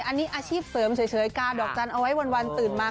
อันนี้อาชีพเสริมเฉยกาดอกจันทร์เอาไว้วันตื่นมา